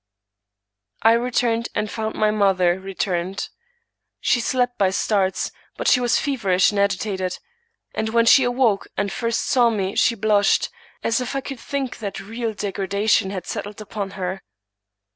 " I returned, and found my mother returned. She slept by starts, but she was feverish and agitated ; and when she awoke and first saw me, she blushed, as if I could think that real degradation had settled upon her.